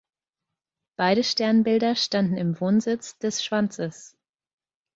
Beide Sternbilder standen im Wohnsitz des „Schwanzes“.